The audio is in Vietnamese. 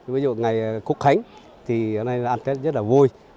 ví dụ ngày cúc khánh thì ăn tết rất là vui